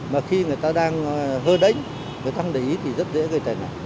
mà khi người ta đang hơ đánh người ta không để ý thì rất dễ gây tài nạn